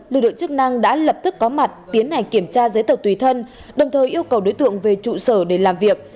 lực lượng chức năng đã lập tức có mặt tiến hành kiểm tra giấy tờ tùy thân đồng thời yêu cầu đối tượng về trụ sở để làm việc